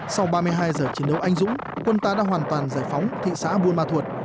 sau ba mươi hai giờ chiến đấu anh dũng quân ta đã hoàn toàn giải phóng thị xã buôn ma thuột